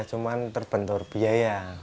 cuma terbentur biaya